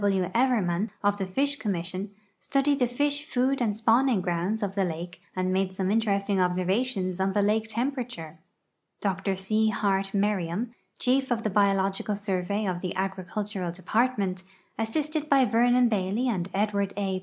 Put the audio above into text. B. W. Evermann, of the Fish Connnission, studied tlie fisii food and s]uivvnin<,' grounds of the hike and made some interesting observations on tiie hike temi)erature. Dr C. Hart IMerriam, chief of the Biological Survey of the Agricultural Department, assisted by Vernon Bailey and Edwanl A.